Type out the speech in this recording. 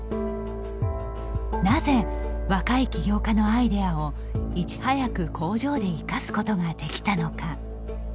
なぜ、若い起業家のアイデアをいち早く工場で生かすことができたのか？